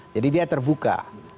jadi dia terbuka